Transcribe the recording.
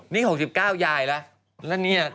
นี่๖๙ยายแล้วเนี่ย